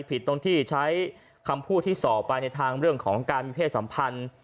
ผิดตรงที่ใช้คำพูดที่ส่อไปในทางเรื่องของการมีเพศสัมพันธ์